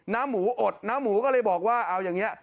้าหมูอดน้าหมูก็เลยบอกว่าเอาอย่างนี้